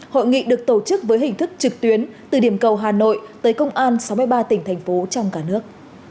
hội nghị được tổ chức với hình thức trực tuyến từ điểm cầu hà nội tới công an sáu mươi ba tỉnh thành phố trong cả nước